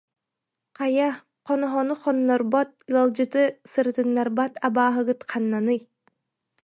Хайа, хоноһону хоннорбот, ыалдьыты сырытыннарбат абааһыгыт ханнаный